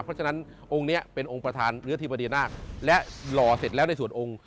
เพราะฉะนั้นองค์นี้เป็นองค์ประธานเนื้อธิบดีนาคและหล่อเสร็จแล้วในส่วนองค์